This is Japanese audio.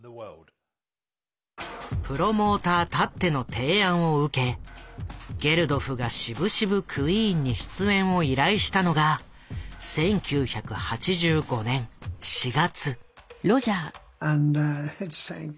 プロモーターたっての提案を受けゲルドフがしぶしぶクイーンに出演を依頼したのが１９８５年４月。